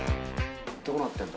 どうなってんだ？